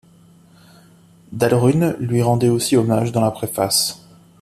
Dalrune lui rendait aussi hommage dans la préface.